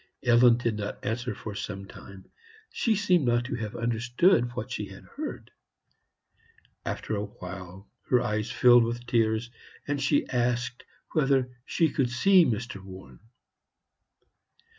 Ellen did not answer for some time; she seemed not to have understood what she had heard. After a while her eyes filled with tears, and she asked whether she could see Mr. Warren.